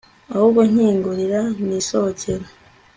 ahubwo nkingurira nisohokere